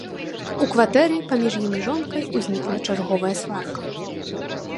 У кватэры паміж ім і жонкай узнікла чарговая сварка.